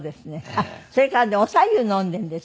あっそれからねお白湯飲んでいるんですよ。